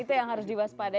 itu yang harus diwaspadai